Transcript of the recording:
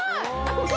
ここ？